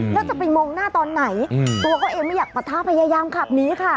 แล้วจะไปมองหน้าตอนไหนตัวเขาเองไม่อยากปะทะพยายามขับหนีค่ะ